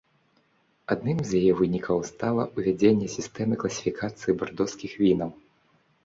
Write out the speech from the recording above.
Адным з яе вынікаў стала ўвядзенне сістэмы класіфікацыі бардоскіх вінаў.